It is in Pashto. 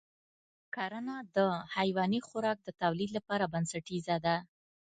کرنه د حیواني خوراک د تولید لپاره بنسټیزه ده.